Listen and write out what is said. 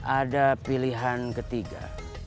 ada pilihan ketiga